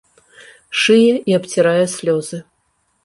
Шые і абцірае слёзы.